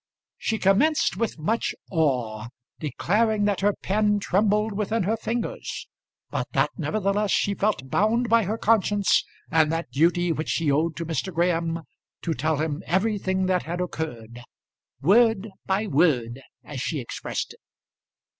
She commenced with much awe, declaring that her pen trembled within her fingers, but that nevertheless she felt bound by her conscience and that duty which she owed to Mr. Graham, to tell him everything that had occurred, "word by word," as she expressed it.